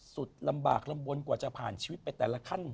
สุดลำบากลำบลกว่าจะผ่านชีวิตไปแต่ละขั้น